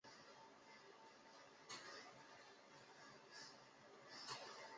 邮购各式各样的高级家具仍无法满足其日渐枯竭的心灵而导致失眠。